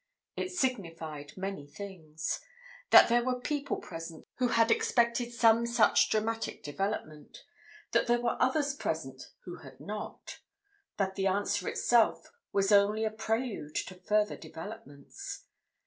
It signified many things—that there were people present who had expected some such dramatic development; that there were others present who had not; that the answer itself was only a prelude to further developments.